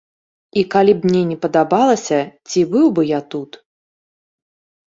І калі б мне не падабалася, ці быў бы я тут?